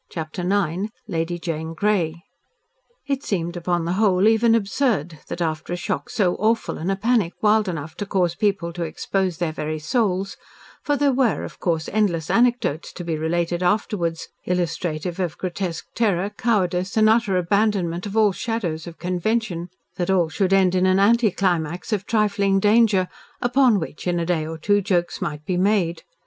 CHAPTER IX LADY JANE GREY It seemed upon the whole even absurd that after a shock so awful and a panic wild enough to cause people to expose their very souls for there were, of course, endless anecdotes to be related afterwards, illustrative of grotesque terror, cowardice, and utter abandonment of all shadows of convention that all should end in an anticlimax of trifling danger, upon which, in a day or two, jokes might be made.